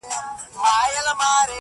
په وهلو یې ورمات کړله هډونه٫